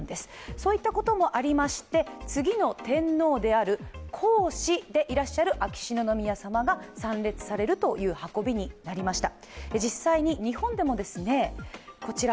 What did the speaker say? そういったこともありまして次の天皇である皇嗣である秋篠宮さまが参列されるという運びになりました。